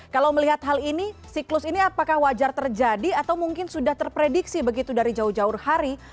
kalau melihat hal ini siklus ini apakah wajar terjadi atau mungkin sudah terprediksi begitu dari jauh jauh hari